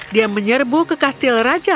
dia menyerbu ke kastil raja